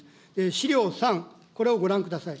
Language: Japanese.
資料３、これをご覧ください。